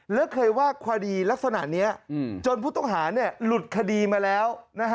แล้วเคยว่าคดีลักษณะนี้จนผู้ต้องหาหลุดคดีมาแล้ว